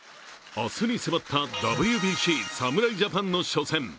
明日に迫ったＷＢＣ、侍ジャパンの初戦。